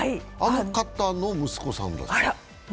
あの方の息子さんです。